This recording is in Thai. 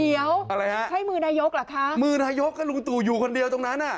เดี๋ยวอะไรฮะใช่มือนายกเหรอคะมือนายกก็ลุงตู่อยู่คนเดียวตรงนั้นอ่ะ